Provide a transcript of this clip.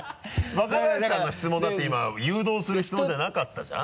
若林さんの質問だって今誘導する質問じゃなかったじゃん？